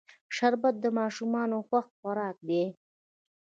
شربت د ماشومانو خوښ خوراک دی